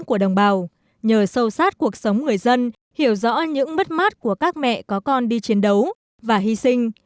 của đồng bào nhờ sâu sát cuộc sống người dân hiểu rõ những mất mát của các mẹ có con đi chiến đấu và hy sinh